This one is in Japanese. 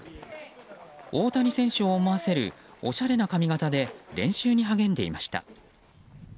大谷選手を思わせるおしゃれな髪形で練習に励んでいました。